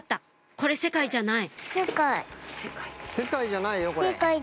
これ「世界」じゃない世界。